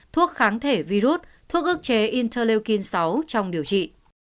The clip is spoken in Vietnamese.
thuốc kháng thể virus thuốc ước chế intelukin sáu trong điều trị